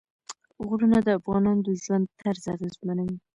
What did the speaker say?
غرونه د افغانانو د ژوند طرز اغېزمنوي.